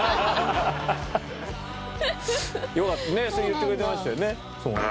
そう言ってくれてましたよね。